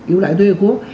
yếu đại tối hiệu quốc